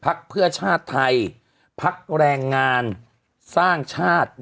พักเพื่อชาติไทยพักแรงงานสร้างชาติ